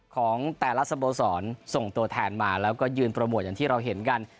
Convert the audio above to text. ของแต่ละสโมสรส่งตัวแทนมาแล้วก็ยืนโปรโมทอย่างที่เราเห็นกัน